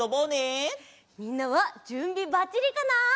みんなはじゅんびバッチリかな？